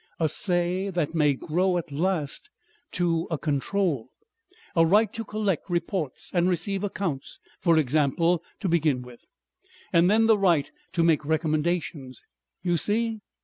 A say that may grow at last to a control. A right to collect reports and receive accounts for example, to begin with. And then the right to make recommendations.... You see?...